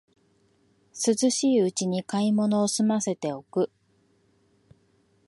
涼しいうちに買い物をすませておく